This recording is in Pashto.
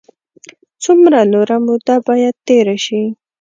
څومره نوره موده باید تېره شي.